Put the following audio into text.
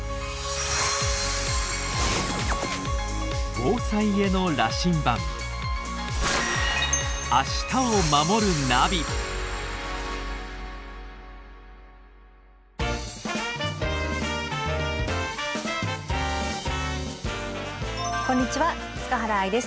防災への羅針盤こんにちは塚原愛です。